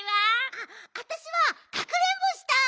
あっあたしはかくれんぼしたい！